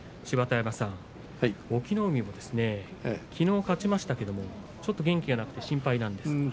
芝田山さん、隠岐の海もきのう勝ちましたけどちょっと元気がなくて心配です。